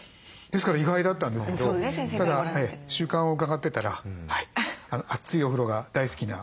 ですから意外だったんですけどただ習慣を伺ってたら熱いお風呂が大好きな